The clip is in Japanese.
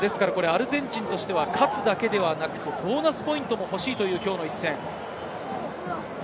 アルゼンチンとしては勝つだけではなくて、ボーナスポイントも欲しいというきょうの一戦。